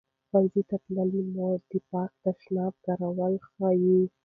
ښوونځې تللې مور د پاک تشناب کارول ښيي.